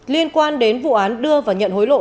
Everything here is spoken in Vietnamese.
liên quan đến vụ án đưa và nhận hối lộ